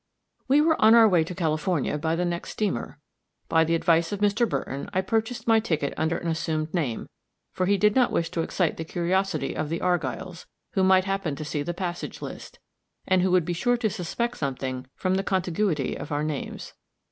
We were on our way to California by the next steamer. By the advice of Mr. Burton I purchased my ticket under an assumed name, for he did not wish to excite the curiosity of the Argylls, who might happen to see the passage list, and who would be sure to suspect something from the contiguity of our names.